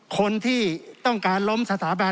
คนที่ต้องการล้มสถาบัน